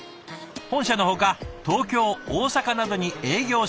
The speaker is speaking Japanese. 本社のほか東京大阪などに営業所